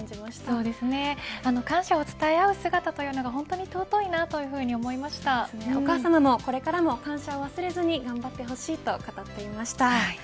そうですね、感謝を伝え合う姿というのが本当に尊いなお母さまも、これからも感謝を忘れずに頑張ってほしいと語っていました。